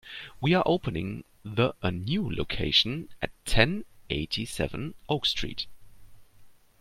We are opening the a new location at ten eighty-seven Oak Street.